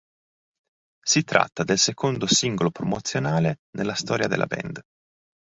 Si tratta del secondo singolo promozionale nella storia della band.